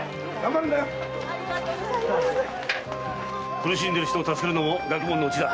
苦しんでる人を助けるのも学問のうちだ。